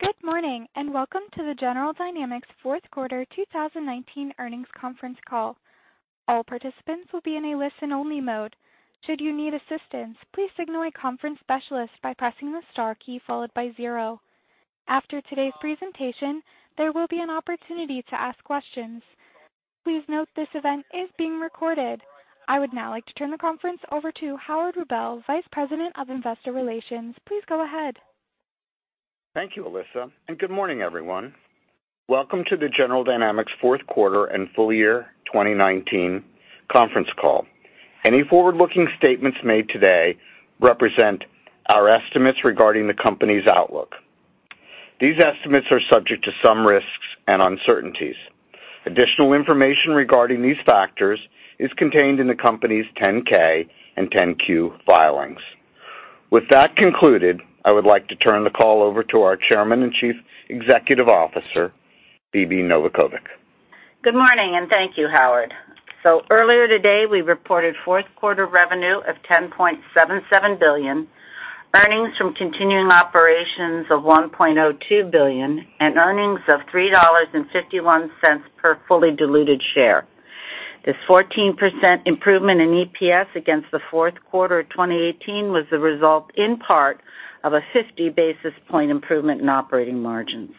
Good morning, and welcome to the General Dynamics Fourth Quarter 2019 Earnings Conference Call. I would now like to turn the conference over to Howard Rubel, Vice President of Investor Relations. Please go ahead. Thank you, Alyssa. Good morning, everyone. Welcome to the General Dynamics Fourth Quarter and Full Year 2019 Conference Call. Any forward-looking statements made today represent our estimates regarding the company's outlook. These estimates are subject to some risks and uncertainties. Additional information regarding these factors is contained in the company's 10-K and 10-Q filings. With that concluded, I would like to turn the call over to our Chairman and Chief Executive Officer, Phebe Novakovic. Good morning, thank you, Howard. Earlier today, we reported fourth quarter revenue of $10.77 billion, earnings from continuing operations of $1.02 billion, and earnings of $3.51 per fully diluted share. This 14% improvement in EPS against the fourth quarter 2018 was the result in part of a 50-basis-point improvement in operating margins.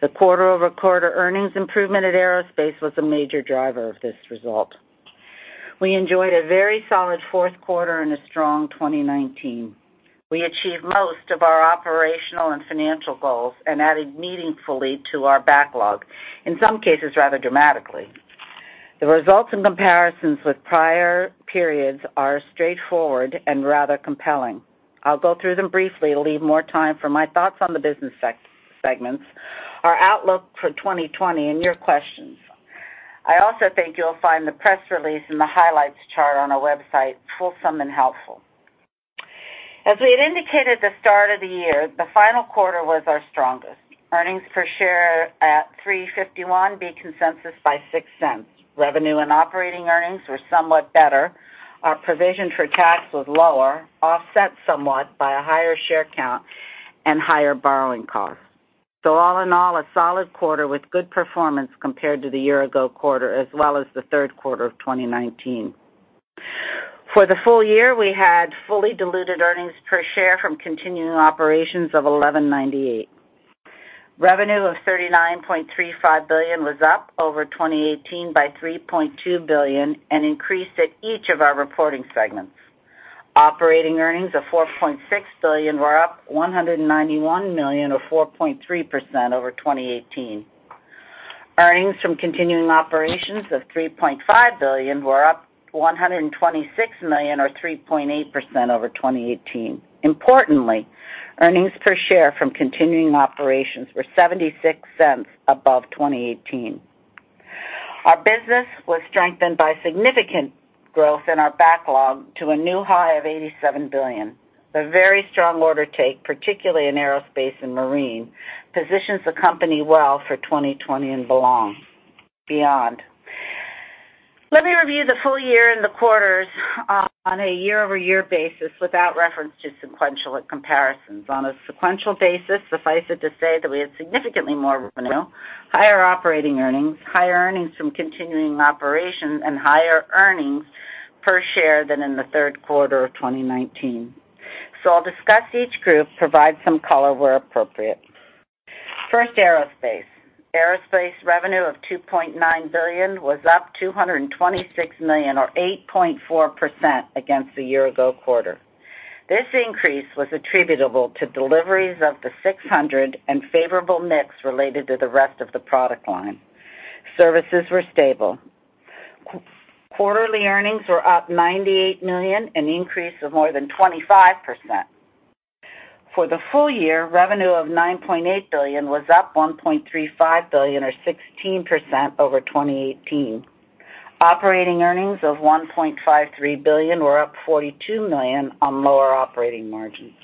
The quarter-over-quarter earnings improvement at Aerospace was a major driver of this result. We enjoyed a very solid fourth quarter and a strong 2019. We achieved most of our operational and financial goals and added meaningfully to our backlog, in some cases, rather dramatically. The results and comparisons with prior periods are straightforward and rather compelling. I'll go through them briefly to leave more time for my thoughts on the business segments, our outlook for 2020, and your questions. I also think you'll find the press release and the highlights chart on our website fulsome and helpful. As we had indicated at the start of the year, the final quarter was our strongest. Earnings per share at $3.51 beat consensus by $0.06. Revenue and operating earnings were somewhat better. Our provision for tax was lower, offset somewhat by a higher share count and higher borrowing costs. All in all, a solid quarter with good performance compared to the year-ago quarter as well as the third quarter of 2019. For the full year, we had fully diluted earnings per share from continuing operations of $11.98. Revenue of $39.35 billion was up over 2018 by $3.2 billion and increased at each of our reporting segments. Operating earnings of $4.6 billion were up $191 million or 4.3% over 2018. Earnings from continuing operations of $3.5 billion were up $126 million or 3.8% over 2018. Importantly, earnings per share from continuing operations were $0.76 above 2018. Our business was strengthened by significant growth in our backlog to a new high of $87 billion. The very strong order take, particularly in Aerospace and Marine, positions the company well for 2020 and beyond. Let me review the full year and the quarters on a year-over-year basis without reference to sequential comparisons. On a sequential basis, suffice it to say that we had significantly more revenue, higher operating earnings, higher earnings from continuing operations, and higher earnings per share than in the third quarter of 2019. I'll discuss each group, provide some color where appropriate. First, Aerospace. Aerospace revenue of $2.9 billion was up $226 million or 8.4% against the year-ago quarter. This increase was attributable to deliveries of the G600 and favorable mix related to the rest of the product line. Services were stable. Quarterly earnings were up $98 million, an increase of more than 25%. For the full year, revenue of $9.8 billion was up $1.35 billion or 16% over 2018. Operating earnings of $1.53 billion were up $42 million on lower operating margins.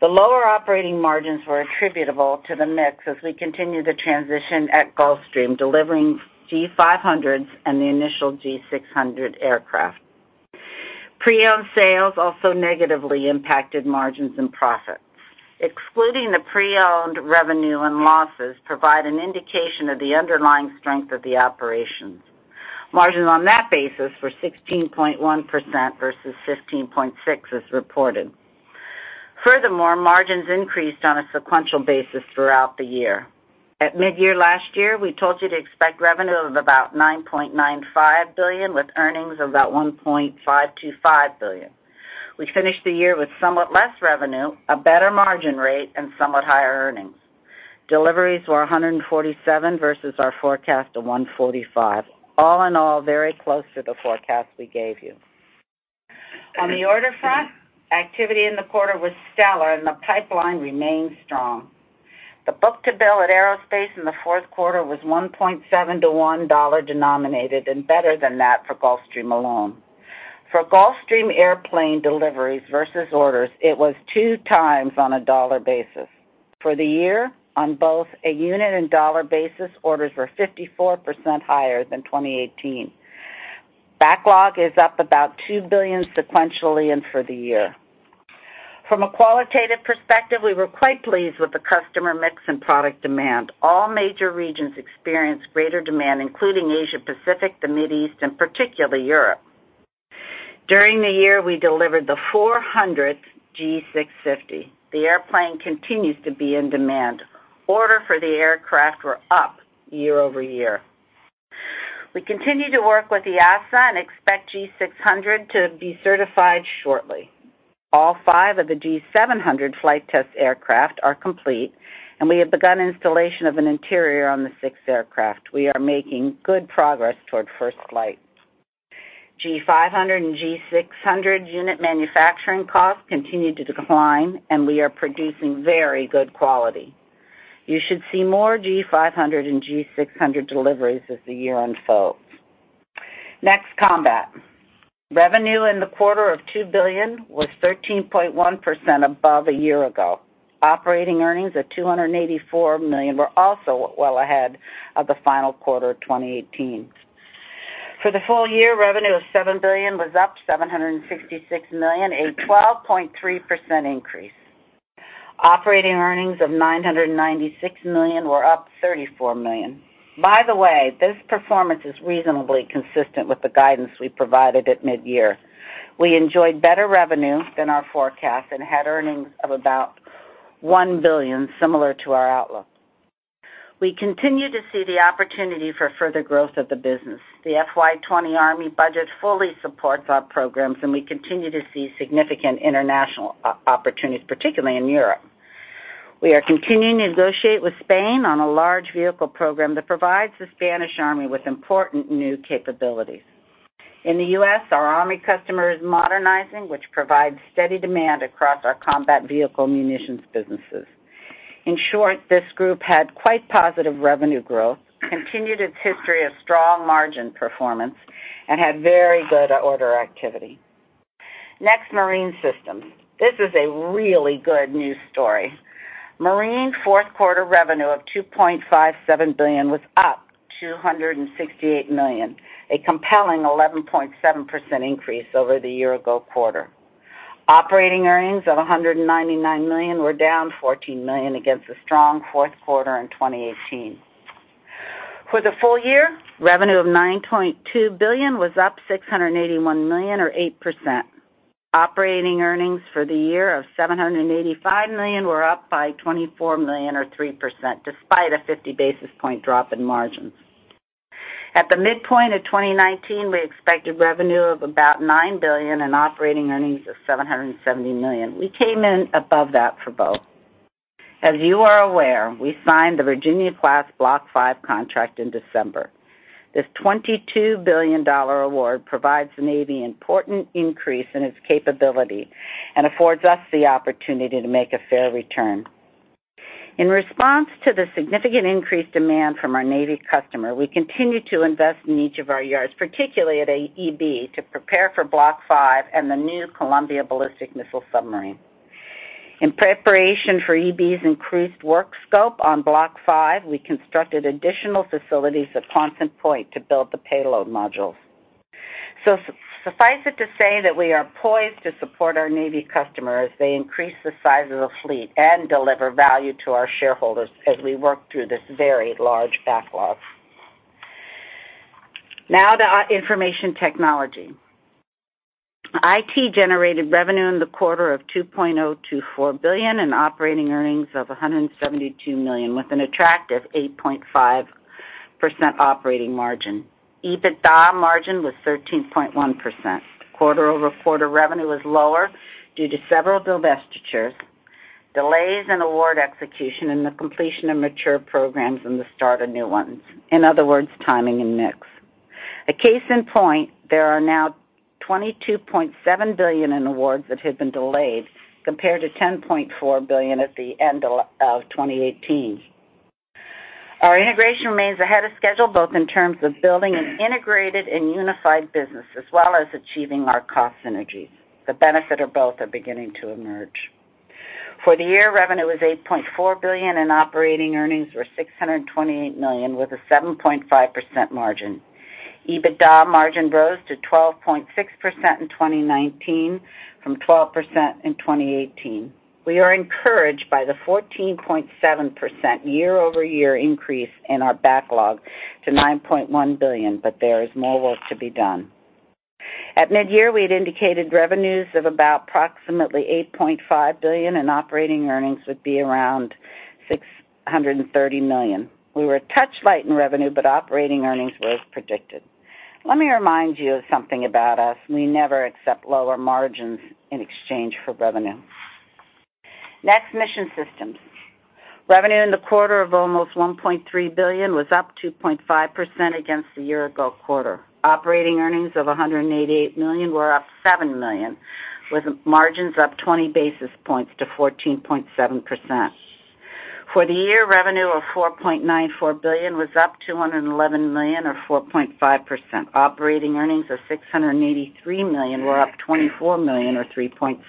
The lower operating margins were attributable to the mix as we continue the transition at Gulfstream, delivering G500s and the initial G600 aircraft. Pre-owned sales also negatively impacted margins and profits. Excluding the pre-owned revenue and losses provide an indication of the underlying strength of the operations. Margins on that basis were 16.1% versus 15.6% as reported. Margins increased on a sequential basis throughout the year. At mid-year last year, we told you to expect revenue of about $9.95 billion with earnings of about $1.525 billion. We finished the year with somewhat less revenue, a better margin rate, and somewhat higher earnings. Deliveries were 147 versus our forecast of 145. All in all, very close to the forecast we gave you. On the order front, activity in the quarter was stellar and the pipeline remains strong. The book-to-bill at Aerospace in the fourth quarter was 1.7 to $1 denominated and better than that for Gulfstream alone. For Gulfstream airplane deliveries versus orders, it was 2x on a dollar basis. For the year, on both a unit and dollar basis, orders were 54% higher than 2018. Backlog is up about $2 billion sequentially and for the year. From a qualitative perspective, we were quite pleased with the customer mix and product demand. All major regions experienced greater demand, including Asia Pacific, the Mid East, and particularly Europe. During the year, we delivered the 400th G650. The airplane continues to be in demand. Order for the aircraft were up year over year. We continue to work with the FAA and expect G600 to be certified shortly. All five of the G700 flight test aircraft are complete, and we have begun installation of an interior on the sixth aircraft. We are making good progress toward first flight. G500 and G600 unit manufacturing costs continue to decline, and we are producing very good quality. You should see more G500 and G600 deliveries as the year unfolds. Next, Combat. Revenue in the quarter of $2 billion was 13.1% above a year ago. Operating earnings of $284 million were also well ahead of the final quarter of 2018. For the full year, revenue of $7 billion was up $766 million, a 12.3% increase. Operating earnings of $996 million were up $34 million. By the way, this performance is reasonably consistent with the guidance we provided at mid-year. We enjoyed better revenue than our forecast and had earnings of about $1 billion, similar to our outlook. We continue to see the opportunity for further growth of the business. The FY 2020 Army budget fully supports our programs, and we continue to see significant international opportunities, particularly in Europe. We are continuing to negotiate with Spain on a large vehicle program that provides the Spanish Army with important new capabilities. In the U.S., our Army customer is modernizing, which provides steady demand across our combat vehicle munitions businesses. In short, this group had quite positive revenue growth, continued its history of strong margin performance, and had very good order activity. Next, Marine Systems. This is a really good news story. Marine fourth quarter revenue of $2.57 billion was up $268 million, a compelling 11.7% increase over the year-ago quarter. Operating earnings of $199 million were down $14 million against a strong fourth quarter in 2018. For the full year, revenue of $9.2 billion was up $681 million or 8%. Operating earnings for the year of $785 million were up by $24 million or 3%, despite a 50-basis point drop in margins. At the midpoint of 2019, we expected revenue of about $9 billion and operating earnings of $770 million. We came in above that for both. As you are aware, we signed the Virginia-class Block V contract in December. This $22 billion award provides the Navy an important increase in its capability and affords us the opportunity to make a fair return. In response to the significant increased demand from our Navy customer, we continue to invest in each of our yards, particularly at EB, to prepare for Block V and the new Columbia ballistic missile submarine. In preparation for EB's increased work scope on Block V, we constructed additional facilities at Quonset Point to build the payload modules. Suffice it to say that we are poised to support our Navy customer as they increase the size of the fleet and deliver value to our shareholders as we work through this very large backlog. To our Information Technology. IT generated revenue in the quarter of $2.024 billion and operating earnings of $172 million, with an attractive 8.5% operating margin. EBITDA margin was 13.1%. Quarter-over-quarter revenue was lower due to several divestitures, delays in award execution, and the completion of mature programs and the start of new ones. In other words, timing and mix. A case in point, there are now $22.7 billion in awards that have been delayed, compared to $10.4 billion at the end of 2018. Our integration remains ahead of schedule, both in terms of building an integrated and unified business, as well as achieving our cost synergies. The benefit of both are beginning to emerge. For the year, revenue was $8.4 billion and operating earnings were $628 million, with a 7.5% margin. EBITDA margin rose to 12.6% in 2019 from 12% in 2018. We are encouraged by the 14.7% year-over-year increase in our backlog to $9.1 billion, but there is more work to be done. At mid-year, we had indicated revenues of about approximately $8.5 billion and operating earnings would be around $630 million. We were a touch light in revenue, but operating earnings were as predicted. Let me remind you of something about us. We never accept lower margins in exchange for revenue. Next, Mission Systems. Revenue in the quarter of almost $1.3 billion was up 2.5% against the year-ago quarter. Operating earnings of $188 million were up $7 million, with margins up 20 basis points to 14.7%. For the year, revenue of $4.94 billion was up $211 million or 4.5%. Operating earnings of $683 million were up $24 million or 3.6%.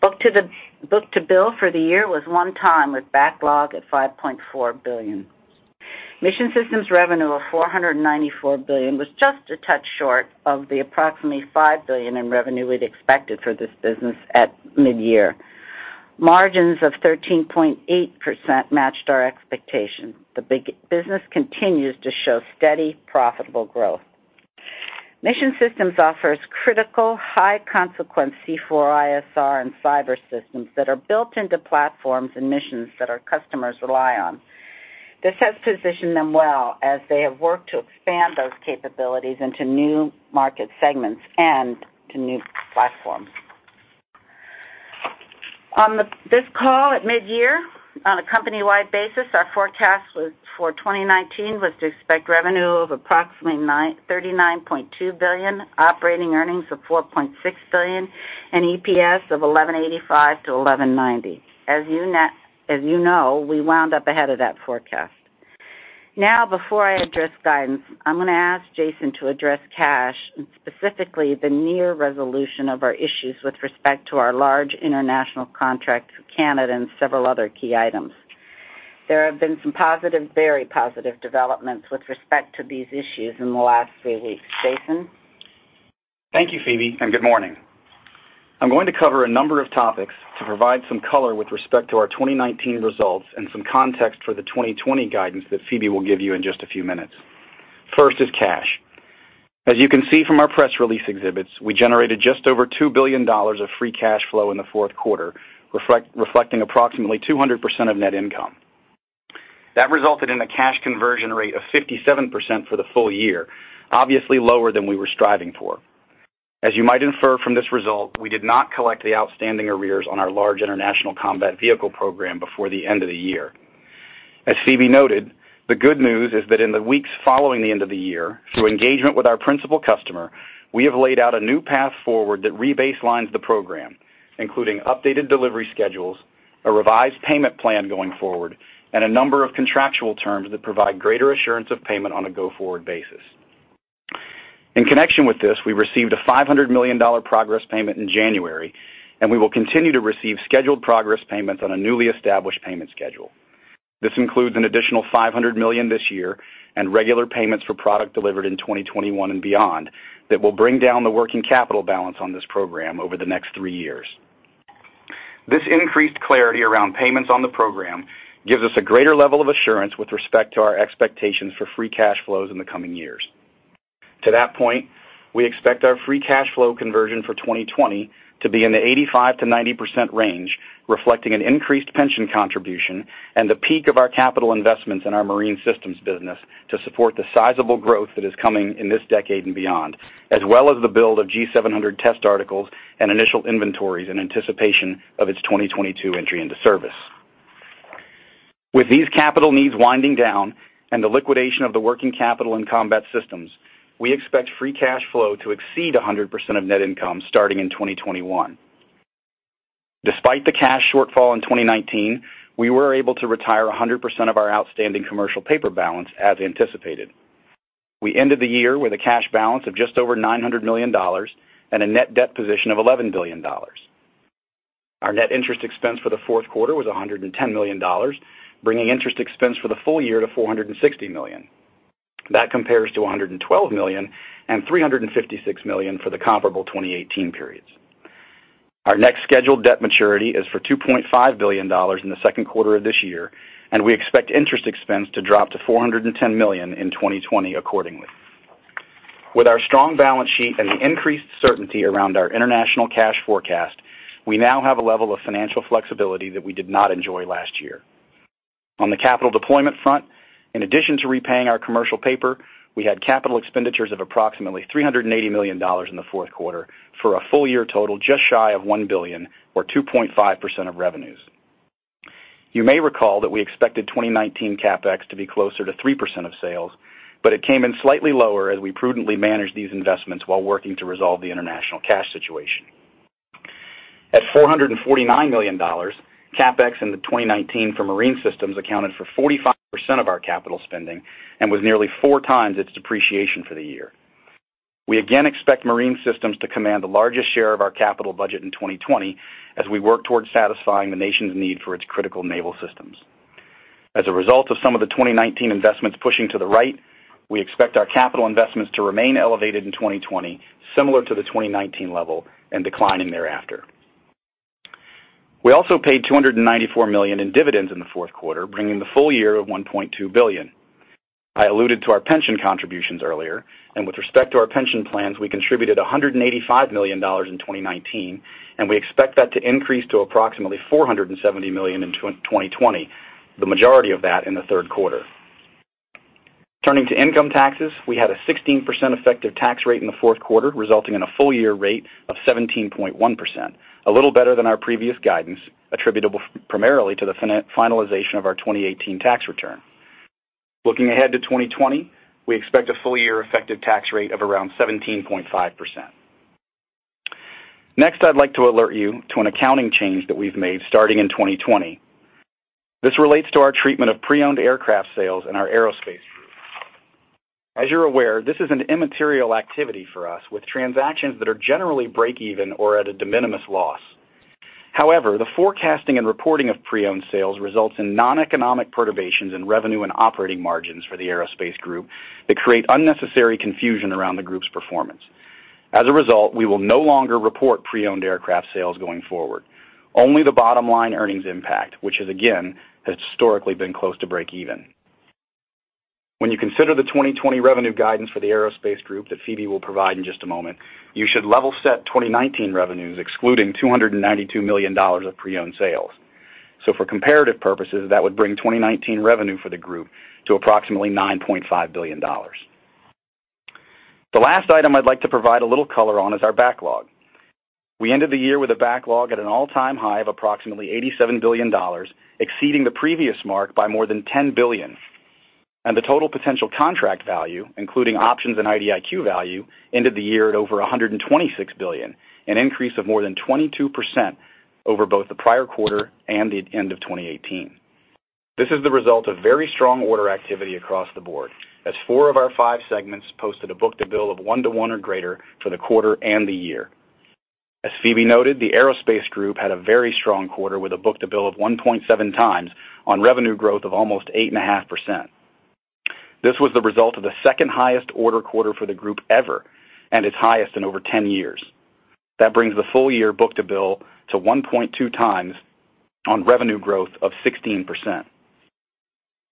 Book-to-bill for the year was one time with backlog at $5.4 billion. Mission Systems revenue of $4.94 billion was just a touch short of the approximately $5 billion in revenue we'd expected for this business at midyear. Margins of 13.8% matched our expectations. The business continues to show steady, profitable growth. Mission Systems offers critical, high consequence C4ISR and cyber systems that are built into platforms and missions that our customers rely on. This has positioned them well as they have worked to expand those capabilities into new market segments and to new platforms. On this call at midyear, on a company-wide basis, our forecast for 2019 was to expect revenue of approximately $39.2 billion, operating earnings of $4.6 billion, and EPS of $11.85-$11.90. As you know, we wound up ahead of that forecast. Now, before I address guidance, I'm going to ask Jason to address cash, and specifically the near resolution of our issues with respect to our large international contract for Canada and several other key items. There have been some positive, very positive developments with respect to these issues in the last three weeks. Jason? Thank you, Phebe. Good morning. I'm going to cover a number of topics to provide some color with respect to our 2019 results and some context for the 2020 guidance that Phebe will give you in just a few minutes. First is cash. As you can see from our press release exhibits, we generated just over $2 billion of free cash flow in the fourth quarter, reflecting approximately 200% of net income. That resulted in a cash conversion rate of 57% for the full year, obviously lower than we were striving for. As you might infer from this result, we did not collect the outstanding arrears on our large international combat vehicle program before the end of the year. As Phebe noted, the good news is that in the weeks following the end of the year, through engagement with our principal customer, we have laid out a new path forward that rebaselines the program, including updated delivery schedules, a revised payment plan going forward, and a number of contractual terms that provide greater assurance of payment on a go-forward basis. In connection with this, we received a $500 million progress payment in January, and we will continue to receive scheduled progress payments on a newly established payment schedule. This includes an additional $500 million this year and regular payments for product delivered in 2021 and beyond that will bring down the working capital balance on this program over the next three years. This increased clarity around payments on the program gives us a greater level of assurance with respect to our expectations for free cash flows in the coming years. To that point, we expect our free cash flow conversion for 2020 to be in the 85%-90% range, reflecting an increased pension contribution and the peak of our capital investments in our Marine Systems business to support the sizable growth that is coming in this decade and beyond, as well as the build of G700 test articles and initial inventories in anticipation of its 2022 entry into service. With these capital needs winding down and the liquidation of the working capital and Combat Systems, we expect free cash flow to exceed 100% of net income starting in 2021. Despite the cash shortfall in 2019, we were able to retire 100% of our outstanding commercial paper balance as anticipated. We ended the year with a cash balance of just over $900 million and a net debt position of $11 billion. Our net interest expense for the fourth quarter was $110 million, bringing interest expense for the full year to $460 million. That compares to $112 million and $356 million for the comparable 2018 periods. Our next scheduled debt maturity is for $2.5 billion in the second quarter of this year, and we expect interest expense to drop to $410 million in 2020 accordingly. With our strong balance sheet and the increased certainty around our international cash forecast, we now have a level of financial flexibility that we did not enjoy last year. On the capital deployment front, in addition to repaying our commercial paper, we had capital expenditures of approximately $380 million in the fourth quarter for a full-year total just shy of $1 billion or 2.5% of revenues. You may recall that we expected 2019 CapEx to be closer to 3% of sales, but it came in slightly lower as we prudently managed these investments while working to resolve the international cash situation. At $449 million, CapEx in 2019 for Marine Systems accounted for 45% of our capital spending and was nearly four times its depreciation for the year. We again expect Marine Systems to command the largest share of our capital budget in 2020 as we work towards satisfying the nation's need for its critical naval systems. As a result of some of the 2019 investments pushing to the right, we expect our capital investments to remain elevated in 2020, similar to the 2019 level, and declining thereafter. We also paid $294 million in dividends in the fourth quarter, bringing the full year of $1.2 billion. I alluded to our pension contributions earlier, and with respect to our pension plans, we contributed $185 million in 2019, and we expect that to increase to approximately $470 million in 2020, the majority of that in the third quarter. Turning to income taxes, we had a 16% effective tax rate in the fourth quarter, resulting in a full-year rate of 17.1%, a little better than our previous guidance, attributable primarily to the finalization of our 2018 tax return. Looking ahead to 2020, we expect a full-year effective tax rate of around 17.5%. Next, I'd like to alert you to an accounting change that we've made starting in 2020. This relates to our treatment of pre-owned aircraft sales in our Aerospace group. As you're aware, this is an immaterial activity for us with transactions that are generally break even or at a de minimis loss. However, the forecasting and reporting of pre-owned sales results in non-economic perturbations in revenue and operating margins for the Aerospace group that create unnecessary confusion around the group's performance. We will no longer report pre-owned aircraft sales going forward. Only the bottom-line earnings impact, which is again, has historically been close to break even. When you consider the 2020 revenue guidance for the Aerospace group that Phebe will provide in just a moment, you should level set 2019 revenues excluding $292 million of pre-owned sales. For comparative purposes, that would bring 2019 revenue for the group to approximately $9.5 billion. The last item I'd like to provide a little color on is our backlog. We ended the year with a backlog at an all-time high of approximately $87 billion, exceeding the previous mark by more than $10 billion. The total potential contract value, including options and IDIQ value, ended the year at over $126 billion, an increase of more than 22% over both the prior quarter and the end of 2018. This is the result of very strong order activity across the board, as four of our five segments posted a book-to-bill of one to one or greater for the quarter and the year. As Phebe noted, the Aerospace group had a very strong quarter with a book-to-bill of 1.7 times on revenue growth of almost 8.5%. This was the result of the second highest order quarter for the group ever and its highest in over 10 years. That brings the full-year book-to-bill to 1.2x on revenue growth of 16%.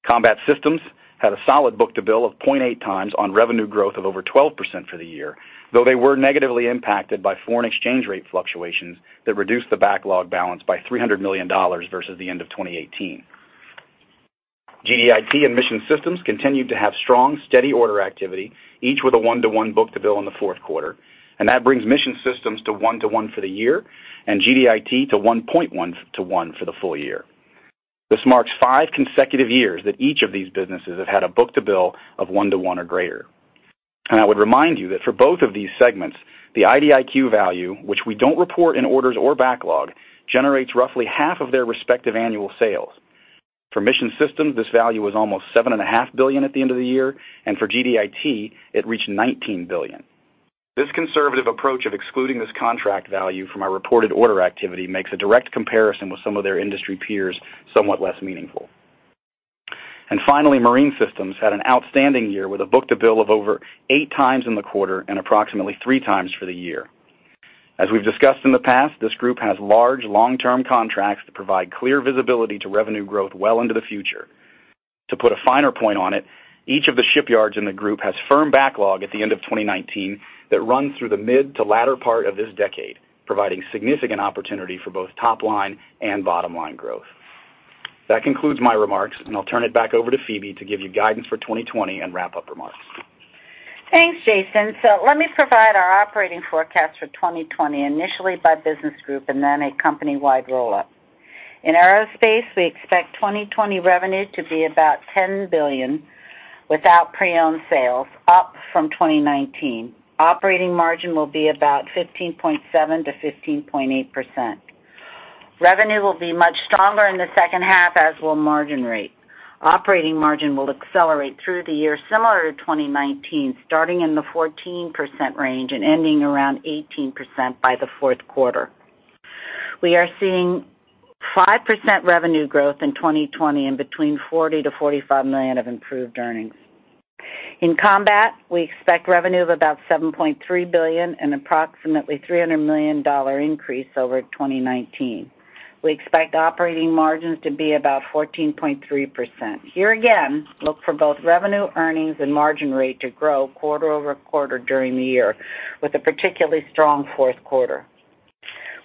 Combat Systems had a solid book-to-bill of 0.8x on revenue growth of over 12% for the year, though they were negatively impacted by foreign exchange rate fluctuations that reduced the backlog balance by $300 million versus the end of 2018. GDIT and Mission Systems continued to have strong, steady order activity, each with a 1 to 1 book-to-bill in the fourth quarter. That brings Mission Systems to 1 to 1 for the year and GDIT to 1.1 to 1 for the full year. This marks five consecutive years that each of these businesses have had a book-to-bill of 1 to 1 or greater. I would remind you that for both of these segments, the IDIQ value, which we don't report in orders or backlog, generates roughly half of their respective annual sales. For Mission Systems, this value was almost $7.5 billion at the end of the year, and for GDIT, it reached $19 billion. This conservative approach of excluding this contract value from our reported order activity makes a direct comparison with some of their industry peers somewhat less meaningful. Finally, Marine Systems had an outstanding year with a book-to-bill of over eight times in the quarter and approximately three times for the year. As we've discussed in the past, this group has large, long-term contracts that provide clear visibility to revenue growth well into the future. To put a finer point on it, each of the shipyards in the group has firm backlog at the end of 2019 that runs through the mid to latter part of this decade, providing significant opportunity for both top line and bottom line growth. That concludes my remarks, and I'll turn it back over to Phebe to give you guidance for 2020 and wrap-up remarks. Thanks, Jason. Let me provide our operating forecast for 2020, initially by business group and then a company-wide roll-up. In Aerospace, we expect 2020 revenue to be about $10 billion without pre-owned sales, up from 2019. Operating margin will be about 15.7% - 15.8%. Revenue will be much stronger in the second half, as will margin rate. Operating margin will accelerate through the year similar to 2019, starting in the 14% range and ending around 18% by the fourth quarter. We are seeing 5% revenue growth in 2020 and between $40 million-$45 million of improved earnings. In Combat, we expect revenue of about $7.3 billion and approximately $300 million increase over 2019. We expect operating margins to be about 14.3%. Here again, look for both revenue earnings and margin rate to grow quarter-over-quarter during the year with a particularly strong fourth quarter.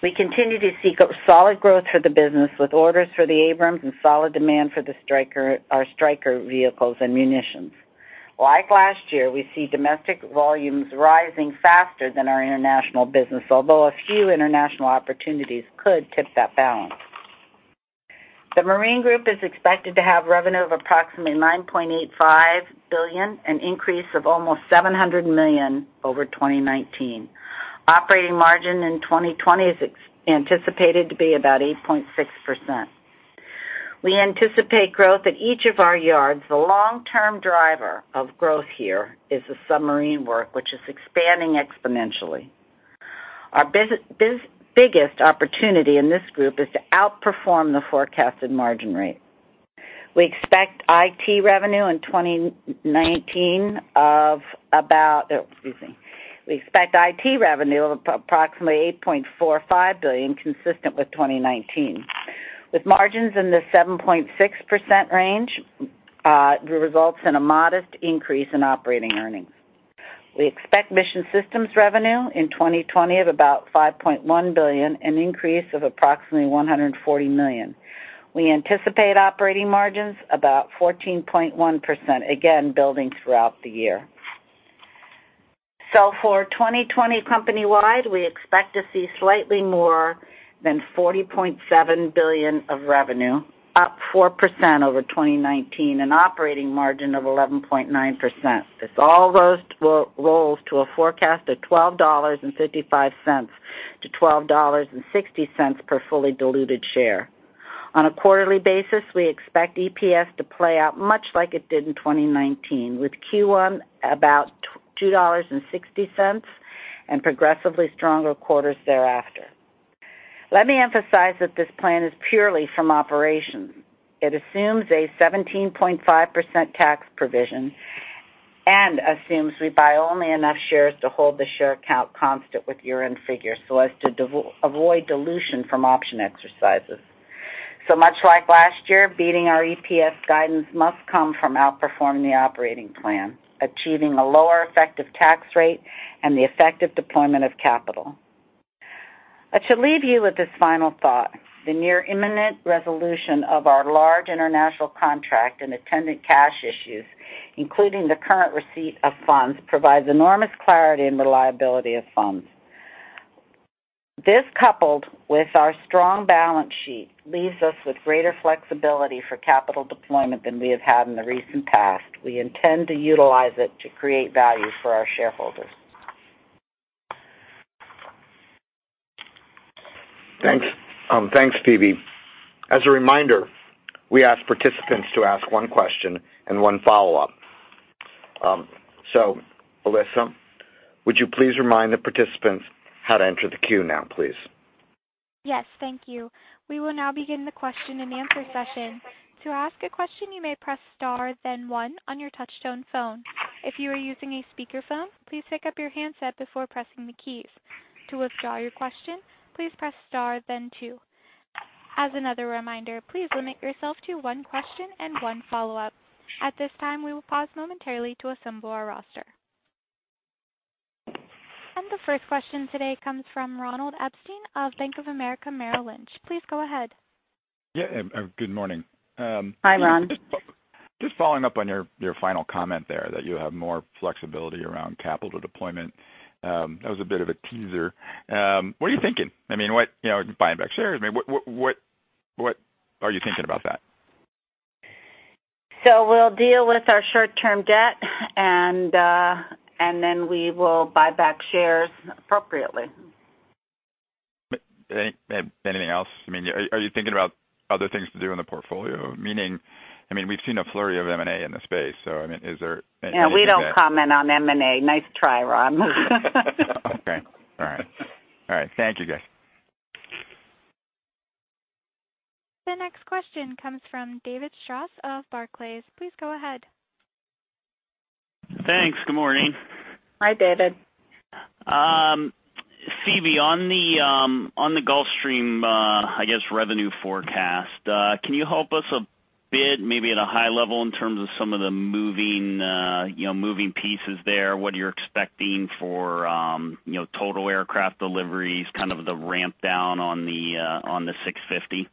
We continue to see solid growth for the business with orders for the Abrams and solid demand for our Stryker vehicles and munitions. Like last year, we see domestic volumes rising faster than our international business, although a few international opportunities could tip that balance. The Marine Systems group is expected to have revenue of approximately $9.85 billion, an increase of almost $700 million over 2019. Operating margin in 2020 is anticipated to be about 8.6%. We anticipate growth at each of our yards. The long-term driver of growth here is the submarine work, which is expanding exponentially. Our biggest opportunity in this group is to outperform the forecasted margin rate. We expect IT revenue in approximately $8.45 billion, consistent with 2019. With margins in the 7.6% range, results in a modest increase in operating earnings. We expect Mission Systems revenue in 2020 of about $5.1 billion, an increase of approximately $140 million. We anticipate operating margins about 14.1%, again, building throughout the year. For 2020 company-wide, we expect to see slightly more than $40.7 billion of revenue, up 4% over 2019, an operating margin of 11.9%. This all rolls to a forecast of $12.55-$12.60 per fully diluted share. On a quarterly basis, we expect EPS to play out much like it did in 2019, with Q1 about $2.60 and progressively stronger quarters thereafter. Let me emphasize that this plan is purely from operations. It assumes a 17.5% tax provision and assumes we buy only enough shares to hold the share count constant with year-end figures, so as to avoid dilution from option exercises. Much like last year, beating our EPS guidance must come from outperforming the operating plan, achieving a lower effective tax rate, and the effective deployment of capital. I should leave you with this final thought. The near imminent resolution of our large international contract and attendant cash issues, including the current receipt of funds, provides enormous clarity and reliability of funds. This, coupled with our strong balance sheet, leaves us with greater flexibility for capital deployment than we have had in the recent past. We intend to utilize it to create value for our shareholders. Thanks, Phebe. As a reminder, we ask participants to ask one question and one follow-up. Alyssa, would you please remind the participants how to enter the queue now, please? Yes, thank you. We will now begin the question and answer session. The first question today comes from Ronald Epstein of Bank of America Merrill Lynch. Please go ahead. Yeah, good morning? Hi, Ron. Just following up on your final comment there, that you have more flexibility around capital deployment. That was a bit of a teaser. What are you thinking? I mean, what, buying back shares? What are you thinking about that? We'll deal with our short-term debt, and then we will buy back shares appropriately. Anything else? Are you thinking about other things to do in the portfolio? Meaning, we've seen a flurry of M&A in the space. No, we don't comment on M&A. Nice try, Ron. Okay. All right. Thank you, guys. The next question comes from David Strauss of Barclays. Please go ahead. Thanks. Good morning? Hi, David. Phebe, on the Gulfstream, I guess, revenue forecast, can you help us a bit, maybe at a high level, in terms of some of the moving pieces there, what you're expecting for total aircraft deliveries, the ramp down on the G650?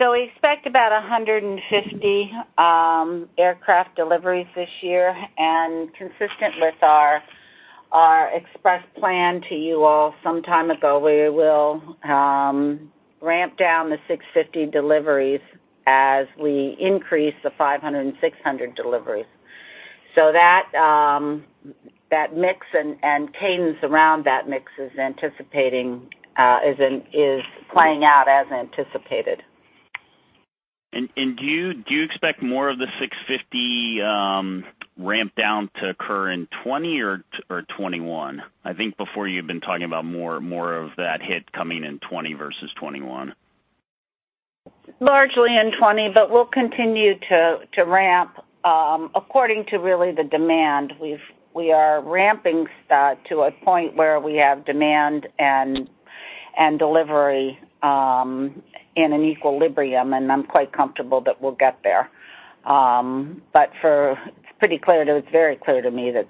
We expect about 150 aircraft deliveries this year, and consistent with our expressed plan to you all some time ago, we will ramp down the G650 deliveries as we increase the G500 and G600 deliveries. That mix and cadence around that mix is playing out as anticipated. Do you expect more of the G650 ramp down to occur in 2020 or 2021? I think before, you've been talking about more of that hit coming in 2020 versus 2021. Largely in 2020, we'll continue to ramp according to really the demand. We are ramping to a point where we have demand and delivery in an equilibrium, I'm quite comfortable that we'll get there. It's very clear to me that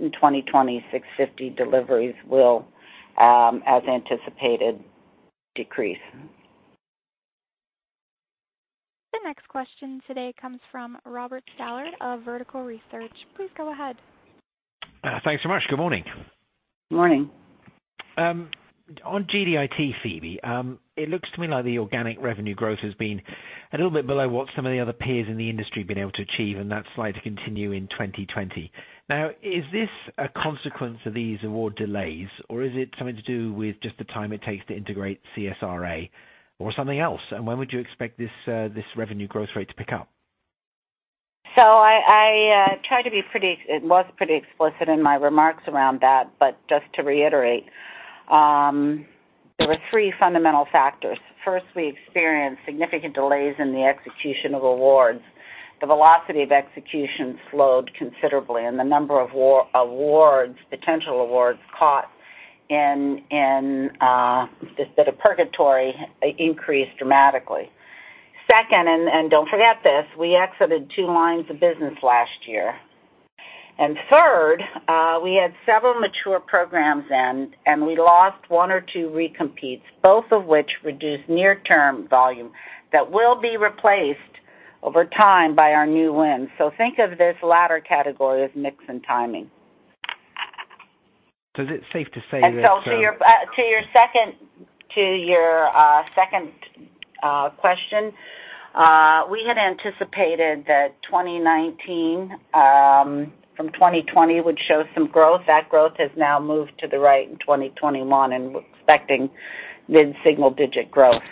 in 2020, G650 deliveries will, as anticipated, decrease. The next question today comes from Robert Stallard of Vertical Research. Please go ahead. Thanks so much. Good morning? Morning. On GDIT, Phebe, it looks to me like the organic revenue growth has been a little bit below what some of the other peers in the industry have been able to achieve. That's likely to continue in 2020. Is this a consequence of these award delays, or is it something to do with just the time it takes to integrate CSRA or something else? When would you expect this revenue growth rate to pick up? I tried to be pretty, it was pretty explicit in my remarks around that. Just to reiterate, there were three fundamental factors. First, we experienced significant delays in the execution of awards. The velocity of execution slowed considerably, and the number of potential awards caught in just a bit of purgatory increased dramatically. Second, and don't forget this, we exited two lines of business last year. Third, we had several mature programs end, and we lost one or two recompetes, both of which reduced near-term volume that will be replaced over time by our new wins. Think of this latter category as mix and timing. Is it safe to say that? To your second question. We had anticipated that 2019 from 2020 would show some growth. That growth has now moved to the right in 2021, and we're expecting mid-single digit growth,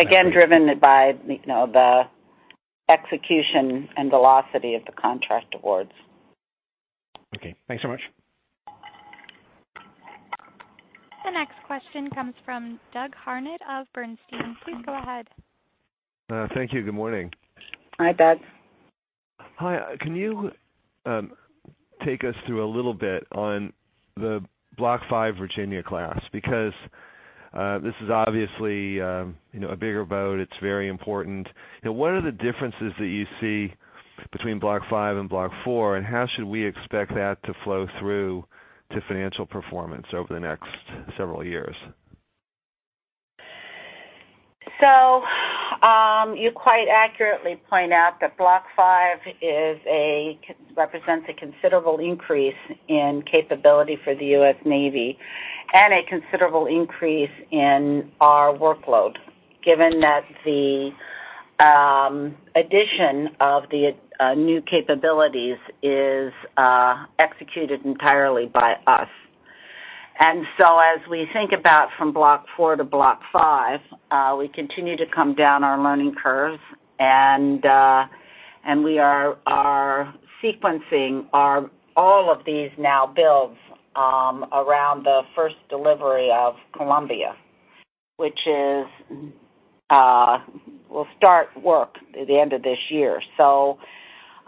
again, driven by the execution and velocity of the contract awards. Okay. Thanks so much. The next question comes from Doug Harned of Bernstein. Please go ahead. Thank you. Good morning? Hi, Doug. Hi. Can you take us through a little bit on the Block V Virginia class? This is obviously a bigger boat, it's very important. What are the differences that you see between Block V and Block IV, and how should we expect that to flow through to financial performance over the next several years? You quite accurately point out that Block V represents a considerable increase in capability for the U.S. Navy and a considerable increase in our workload, given that the addition of the new capabilities is executed entirely by us. As we think about from Block IV to Block V, we continue to come down our learning curve, and we are sequencing all of these now builds around the first delivery of Columbia, which will start work at the end of this year.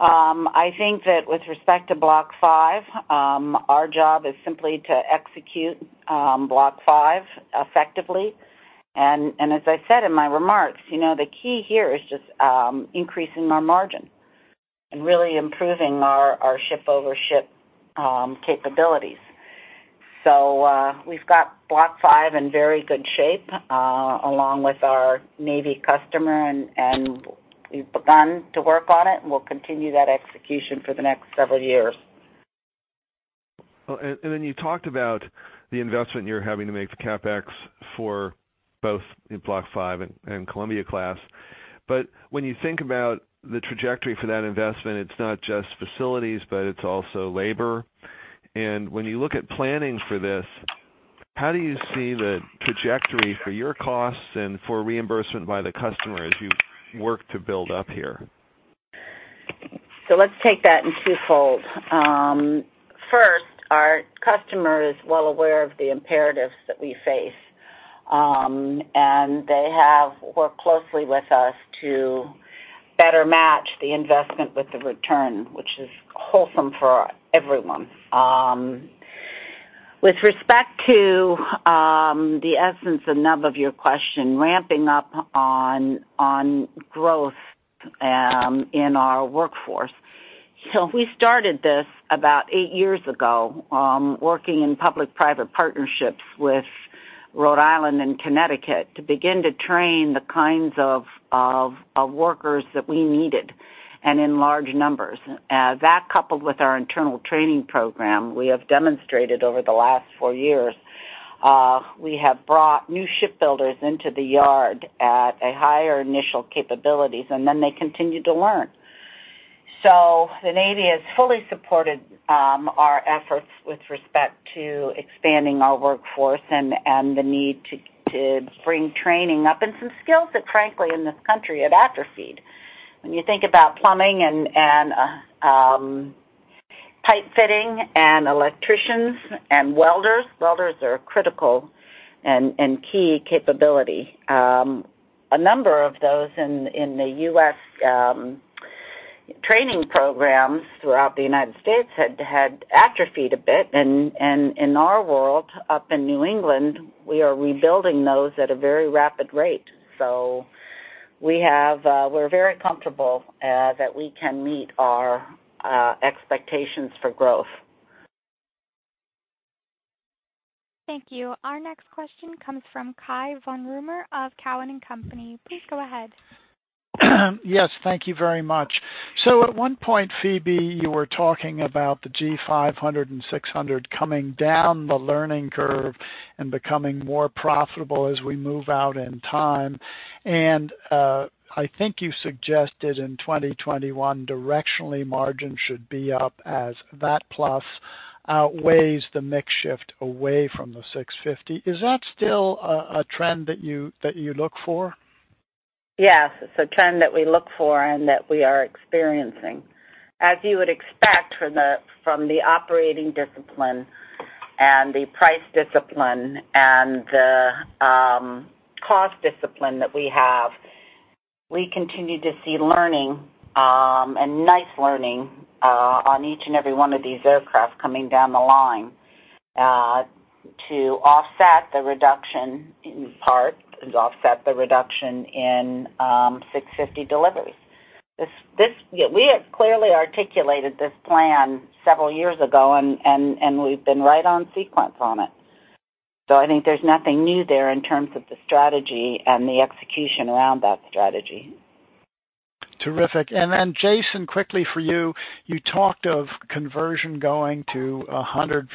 I think that with respect to Block V, our job is simply to execute Block V effectively. As I said in my remarks, the key here is just increasing our margin and really improving our ship over ship capabilities. We've got Block V in very good shape, along with our Navy customer, and we've begun to work on it, and we'll continue that execution for the next several years. You talked about the investment you're having to make for CapEx for both in Block V and Columbia class. When you think about the trajectory for that investment, it's not just facilities, but it's also labor. When you look at planning for this, how do you see the trajectory for your costs and for reimbursement by the customer as you work to build up here? Let's take that in twofold. First, our customer is well aware of the imperatives that we face, and they have worked closely with us to better match the investment with the return, which is wholesome for everyone. With respect to the essence and nub of your question, ramping up on growth in our workforce. We started this about eight years ago, working in public-private partnerships with Rhode Island and Connecticut to begin to train the kinds of workers that we needed and in large numbers. That, coupled with our internal training program, we have demonstrated over the last four years, we have brought new shipbuilders into the yard at a higher initial capabilities, and then they continue to learn. The U.S. Navy has fully supported our efforts with respect to expanding our workforce and the need to bring training up in some skills that, frankly, in this country had atrophied. When you think about plumbing and pipe fitting and electricians and welders. Welders are a critical and key capability. A number of those in the U.S. training programs throughout the United States had atrophied a bit, and in our world, up in New England, we are rebuilding those at a very rapid rate. We're very comfortable that we can meet our expectations for growth. Thank you. Our next question comes from Cai von Rumohr of Cowen and Company. Please go ahead. Yes, thank you very much. At one point, Phebe, you were talking about the G500 and G600 coming down the learning curve and becoming more profitable as we move out in time. I think you suggested in 2021, directionally margin should be up as that plus outweighs the mix shift away from the G650. Is that still a trend that you look for? Yes, it's a trend that we look for and that we are experiencing. As you would expect from the operating discipline and the price discipline and the cost discipline that we have, we continue to see learning, and nice learning, on each and every one of these aircraft coming down the line, to offset the reduction in parts and offset the reduction in G650 deliveries. We have clearly articulated this plan several years ago, and we've been right on sequence on it. I think there's nothing new there in terms of the strategy and the execution around that strategy. Terrific. Then Jason, quickly for you talked of conversion going to 100%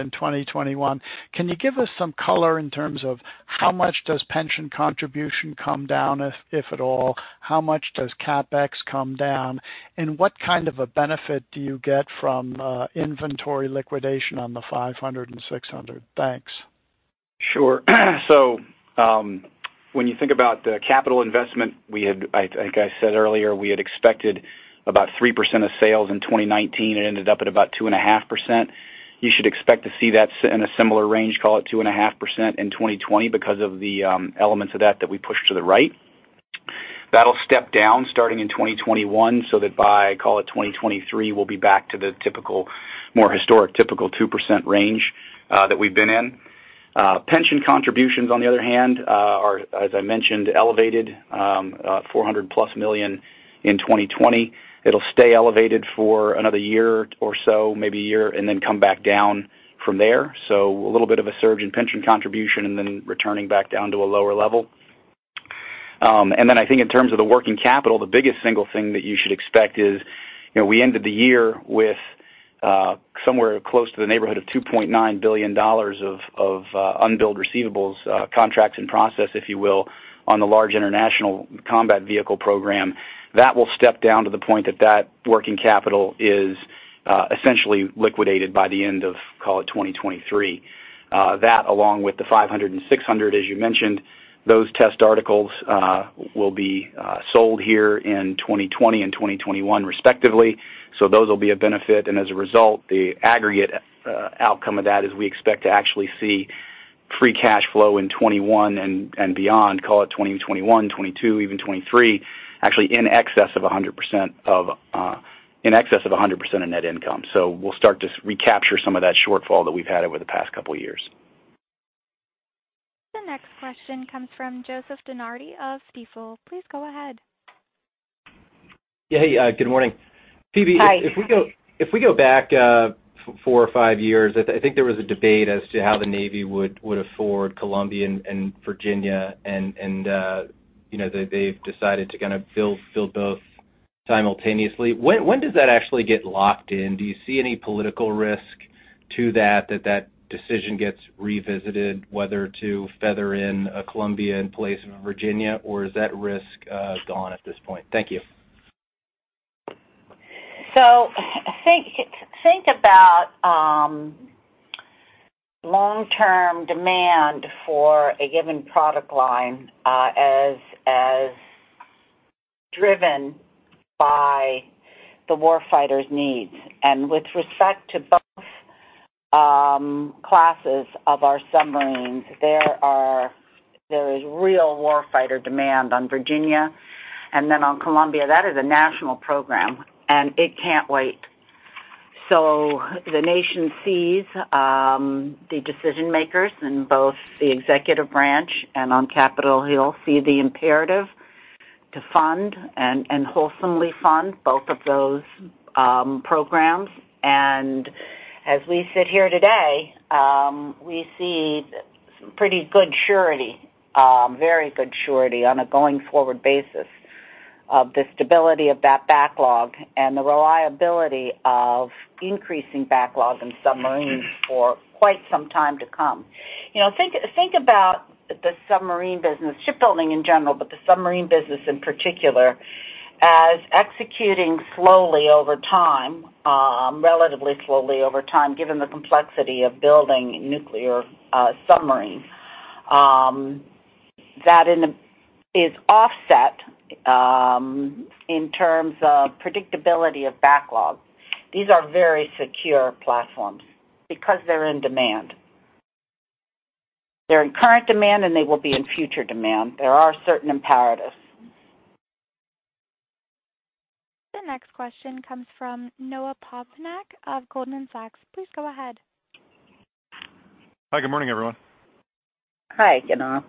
in 2021. Can you give us some color in terms of how much does pension contribution come down, if at all? How much does CapEx come down? What kind of a benefit do you get from inventory liquidation on the G500 and G600? Thanks. Sure. When you think about the capital investment, I think I said earlier, we had expected about 3% of sales in 2019. It ended up at about 2.5%. You should expect to see that in a similar range, call it 2.5% in 2020 because of the elements of that that we pushed to the right. That'll step down starting in 2021, that by, call it 2023, we'll be back to the more historic typical 2% range that we've been in. Pension contributions, on the other hand, are, as I mentioned, elevated, $400+ million in 2020. It'll stay elevated for another year or so, maybe a year, then come back down from there. A little bit of a surge in pension contribution then returning back down to a lower level. I think in terms of the working capital, the biggest single thing that you should expect is, we ended the year with somewhere close to the neighborhood of $2.9 billion of unbilled receivables, contracts in process, if you will, on the large international combat vehicle program. That will step down to the point that that working capital is essentially liquidated by the end of, call it 2023. That, along with the G500 and G600, as you mentioned, those test articles will be sold here in 2020 and 2021, respectively. Those will be a benefit. As a result, the aggregate outcome of that is we expect to actually see free cash flow in 2021 and beyond, call it 2021, 2022, even 2023, actually in excess of 100% of net income. We'll start to recapture some of that shortfall that we've had over the past couple of years. The next question comes from Joseph DeNardi of Stifel. Please go ahead. Yeah, good morning. Hi. Phebe, if we go back four or five years, I think there was a debate as to how the U.S. Navy would afford Columbia and Virginia and they've decided to kind of build both simultaneously. When does that actually get locked in? Do you see any political risk to that that decision gets revisited, whether to feather in a Columbia in place of a Virginia? Or is that risk gone at this point? Thank you. Think about long-term demand for a given product line as driven by the warfighter's needs. With respect to both classes of our submarines, there is real warfighter demand on Virginia. On Columbia, that is a national program, and it can't wait. The nation sees, the decision-makers in both the Executive Branch and on Capitol Hill see the imperative to fund and wholesomely fund both of those programs. As we sit here today, we see pretty good surety, very good surety on a going-forward basis of the stability of that backlog and the reliability of increasing backlog in submarines for quite some time to come. Think about the submarine business, shipbuilding in general, but the submarine business in particular, as executing slowly over time, relatively slowly over time, given the complexity of building nuclear submarines, that is offset in terms of predictability of backlog. These are very secure platforms because they're in demand. They're in current demand, and they will be in future demand. There are certain imperatives. The next question comes from Noah Poponak of Goldman Sachs. Please go ahead. Hi, good morning, everyone? Hi, good morning.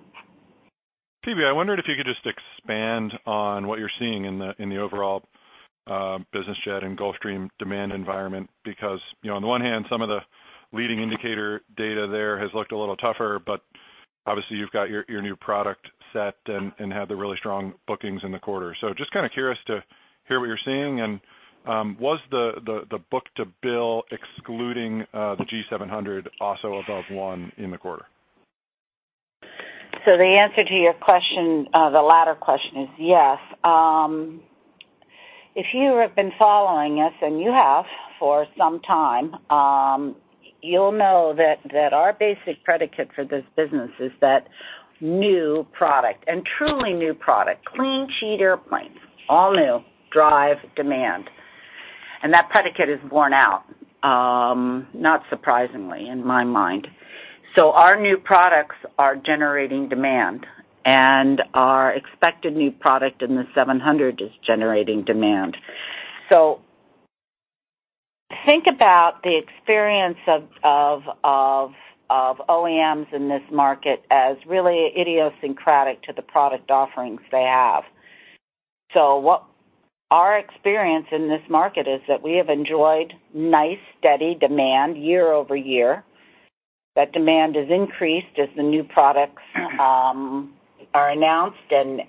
Phebe, I wondered if you could just expand on what you're seeing in the overall business jet and Gulfstream demand environment, because on the one hand, some of the leading indicator data there has looked a little tougher, but obviously you've got your new product set and had the really strong bookings in the quarter. Just kind of curious to hear what you're seeing. Was the book-to-bill excluding the G700 also above one in the quarter? The answer to the latter question is yes. If you have been following us, and you have for some time, you'll know that our basic predicate for this business is that new product, and truly new product, clean sheet airplanes, all new, drive demand. That predicate is worn out, not surprisingly, in my mind. Our new products are generating demand, and our expected new product in the G700 is generating demand. Think about the experience of OEMs in this market as really idiosyncratic to the product offerings they have. Our experience in this market is that we have enjoyed nice, steady demand year over year. That demand has increased as the new products are announced and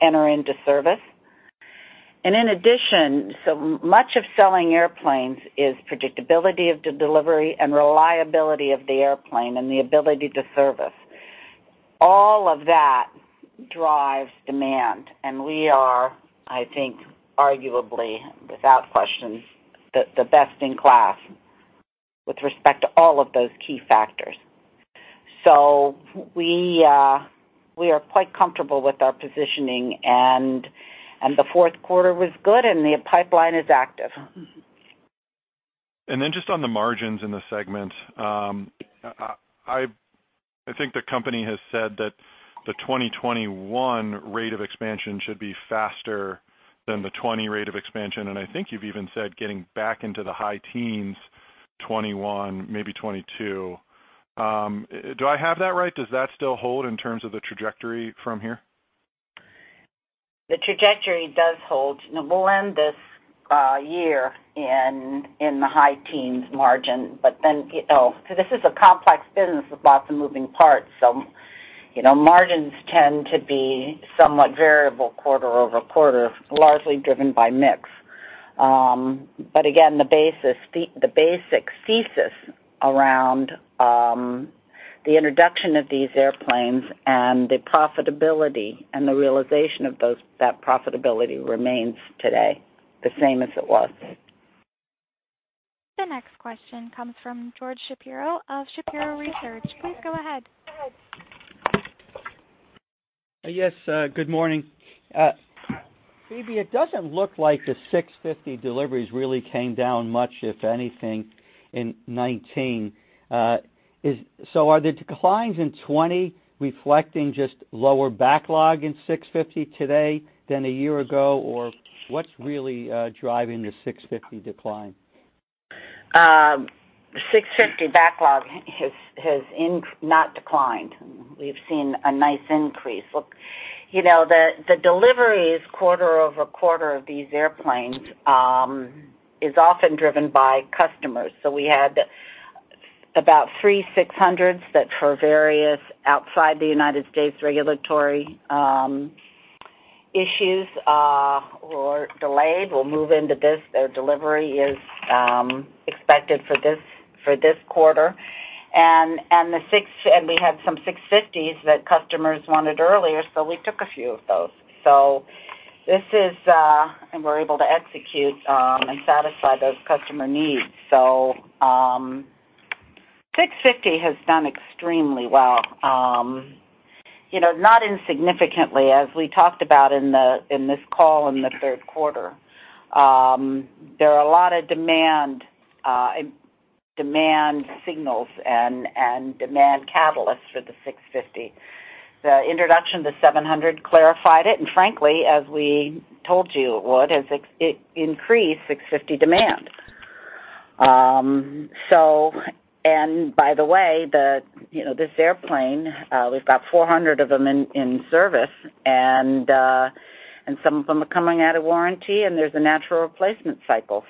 enter into service. In addition, so much of selling airplanes is predictability of delivery and reliability of the airplane and the ability to service. All of that drives demand, and we are, I think, arguably, without question, the best in class with respect to all of those key factors. We are quite comfortable with our positioning, and the fourth quarter was good, and the pipeline is active. Just on the margins in the segment, I think the company has said that the 2021 rate of expansion should be faster than the 2020 rate of expansion, and I think you've even said getting back into the high teens 2021, maybe 2022. Do I have that right? Does that still hold in terms of the trajectory from here? The trajectory does hold. We'll end this year in the high teens margin. This is a complex business with lots of moving parts. Margins tend to be somewhat variable quarter-over-quarter, largely driven by mix. Again, the basic thesis around the introduction of these airplanes and the profitability and the realization of that profitability remains today the same as it was. The next question comes from George Shapiro of Shapiro Research. Please go ahead. Yes, good morning? Phebe, it doesn't look like the G650 deliveries really came down much, if anything, in 2019. Are the declines in 2020 reflecting just lower backlog in 650 today than a year ago? What's really driving the G650 decline? G650 backlog has not declined. We've seen a nice increase. Look, the deliveries quarter-over-quarter of these airplanes is often driven by customers. We had about three G600s that for various outside the U.S. regulatory issues were delayed, will move into this. Their delivery is expected for this quarter. We had some G650s that customers wanted earlier, we took a few of those. We're able to execute and satisfy those customer needs. G650 has done extremely well. Not insignificantly, as we talked about in this call in the third quarter. There are a lot of demand signals and demand catalysts for the G650. The introduction of the G700 clarified it, and frankly, as we told you it would, it increased G650 demand. By the way, this airplane, we've got G400 of them in service, and some of them are coming out of warranty, and there's a natural replacement cycle.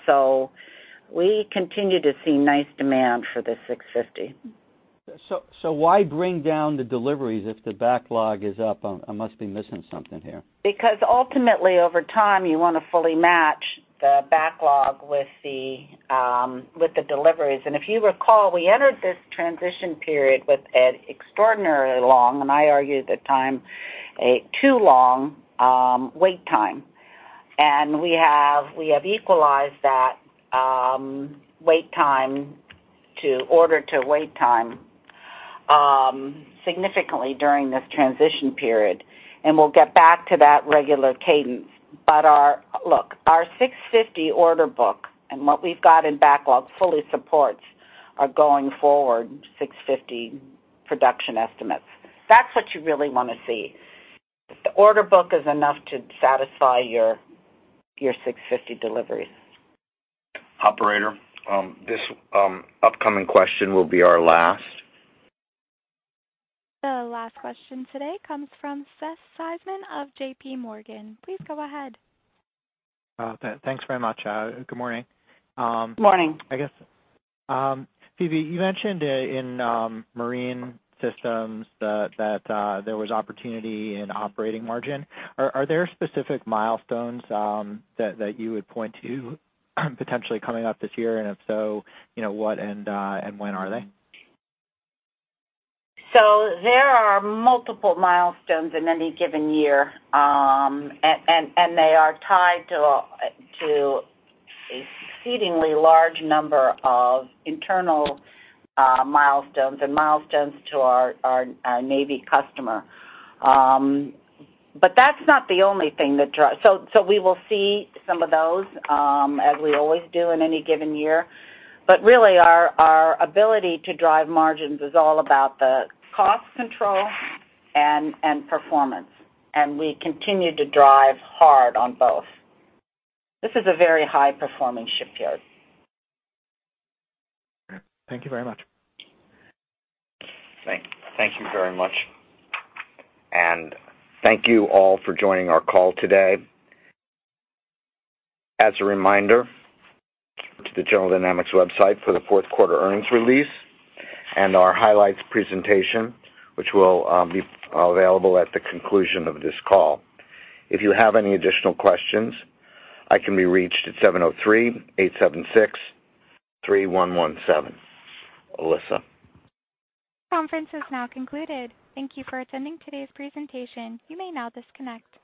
We continue to see nice demand for the G650. Why bring down the deliveries if the backlog is up? I must be missing something here. Because ultimately, over time, you want to fully match the backlog with the deliveries. If you recall, we entered this transition period with an extraordinarily long, and I argue at the time, a too long wait time. We have equalized that wait time to order to wait time significantly during this transition period, and we'll get back to that regular cadence. Look, our G650 order book and what we've got in backlog fully supports our going forward G650 production estimates. That's what you really want to see. If the order book is enough to satisfy your G650 deliveries. Operator, this upcoming question will be our last. The last question today comes from Seth Seifman of J.P. Morgan. Please go ahead. Thanks very much. Good morning. Morning. I guess, Phebe, you mentioned in Marine Systems that there was opportunity in operating margin. Are there specific milestones that you would point to potentially coming up this year, and if so, what and when are they? There are multiple milestones in any given year, and they are tied to exceedingly large number of internal milestones and milestones to our U.S. Navy customer. That's not the only thing that drives. We will see some of those, as we always do in any given year. Really, our ability to drive margins is all about the cost control and performance, and we continue to drive hard on both. This is a very high-performing shipyard. Thank you very much. Thank you very much. Thank you all for joining our call today. As a reminder to the General Dynamics website for the fourth quarter earnings release and our highlights presentation, which will be available at the conclusion of this call. If you have any additional questions, I can be reached at 703-876-3117. Alyssa? Conference is now concluded. Thank you for attending today's presentation. You may now disconnect.